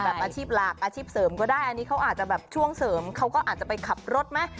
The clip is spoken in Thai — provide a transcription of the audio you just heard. อาชีพหลักอาชีพเสริมก็ได้อันนี้เขาอาจจะแบบช่วงเสริมเขาก็อาจจะไปขับรถไหม